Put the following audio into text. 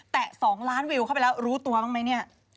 แตะ๒ล้านวิวเข้าไปแล้วรู้ตัวบ้างมั้ย